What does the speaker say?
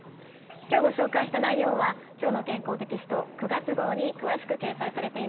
今日ご紹介した内容は「きょうの健康」テキスト９月号に詳しく掲載されています。